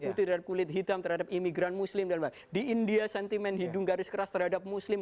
putih dan kulit hitam terhadap imigran muslim di india sentimen hidung garis keras terhadap muslim